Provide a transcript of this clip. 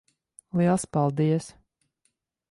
Liels paldies.